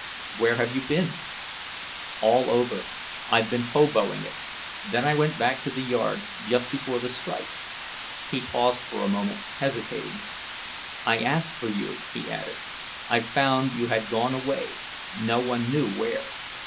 "Where have you been?" "All over. I've been hoboing it. Then I went back to the yards—just before the strike." He paused for a moment, hesitating. "I asked for you," he added. "I found you had gone away, no one knew where.